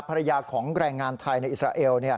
ภรรยาของแรงงานไทยในอิสราเอล